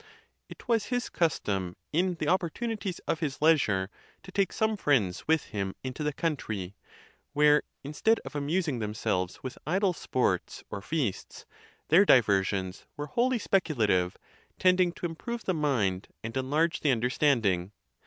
. It was his custom in the opportunities of his leisure to take some friends with him into the country, where, in stead of amusing themselves with idle sports or feasts, their diversions were wholly speculative, tending to im prove the mind and enlarge the understanding.